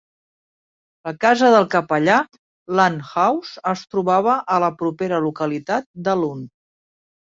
La casa del capellà, Lunt House, es trobava a la propera localitat de Lunt.